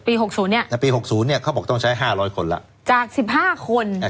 ปีหกศูนย์เนี้ยปีหกศูนย์เนี้ยเขาบอกต้องใช้ห้าร้อยคนละจากสิบห้าคนอ่า